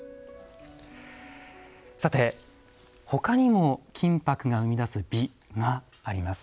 さてほかにも金箔が生み出す美があります。